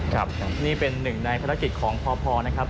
ครับนี่เป็นหนึ่งในภารกิจของพอนะครับ